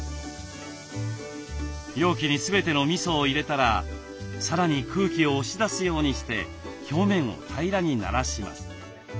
容器に全てのみそを入れたらさらに空気を押し出すようにして表面を平らにならします。